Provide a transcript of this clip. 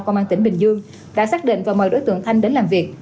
công an tỉnh bình dương đã xác định và mời đối tượng thanh đến làm việc